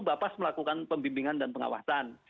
bapaks melakukan pembimbingan dan pengawasan